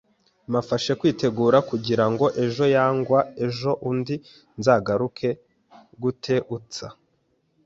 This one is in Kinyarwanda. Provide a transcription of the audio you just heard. Mafashe kwitegura kugira ngo ejo yangwa ejoundi nzagaruke guteutsa